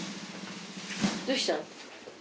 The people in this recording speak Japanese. どうしたの？